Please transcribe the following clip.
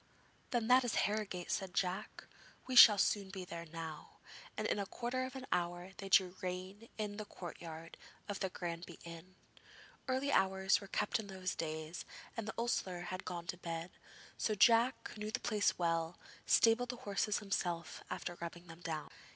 'Then that is Harrogate,' said Jack. 'We shall soon be there now,' and in a quarter of an hour they drew rein in the courtyard of the Granby inn. Early hours were kept in those days and the ostler had gone to bed, so Jack, who knew the place well, stabled the horses himself after rubbing them down.